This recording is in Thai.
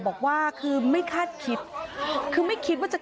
พระเจ้าที่อยู่ในเมืองของพระเจ้า